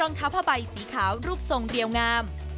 รองเท้าผ้าใบสีขาวรูปทรงเรียวงาม